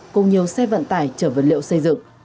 cũng nhiều xe vận tải trở vật liệu xây dựng